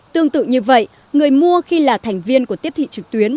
tương tự như vậy người mua khi là thành viên của tiếp thị trực tuyến